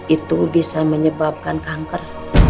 itu bisa menyebabkan kanker